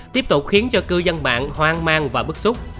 tiếp tục khiến cho cư dân mạng hoang mang và bức xúc